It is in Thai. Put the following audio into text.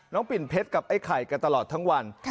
ปิ่นเพชรกับไอ้ไข่กันตลอดทั้งวัน